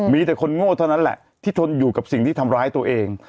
มีแต่คนโง่เท่านั้นแหละที่ทนอยู่กับสิ่งที่ทำร้ายตัวเอง